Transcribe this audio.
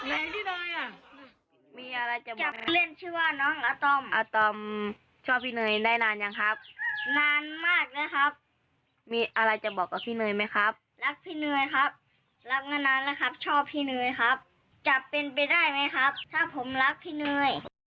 อาตอมชอบพี่เนยได้นานหรือยังครับนานมากเลยครับมีอะไรจะบอกกับพี่เนยไหมครับรักพี่เนยครับรับงานนานแล้วครับชอบพี่เนยครับจะเป็นไปได้ไหมครับถ้าผมรักพี่เนย